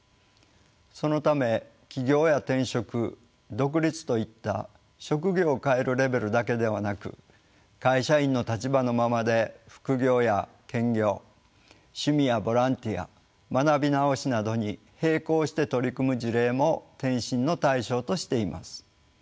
そのため起業や転職独立といった職業を変えるレベルだけではなく会社員の立場のままで副業や兼業趣味やボランティア学び直しなどに並行して取り組む事例も転身の対象としています。